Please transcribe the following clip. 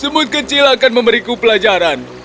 semut kecil akan memberiku pelajaran